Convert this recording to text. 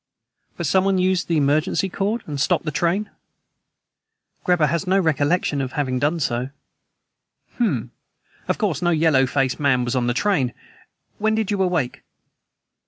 "But someone used the emergency cord, and stopped the train." "Greba has no recollection of having done so." "Hm! Of course, no yellow faced man was on the train. When did you awake?"